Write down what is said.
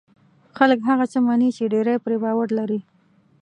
خلک هغه څه مني چې ډېری پرې باور لري.